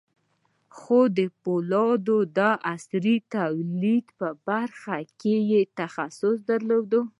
خو د پولادو د عصري تولید په برخه کې یې تخصص درلود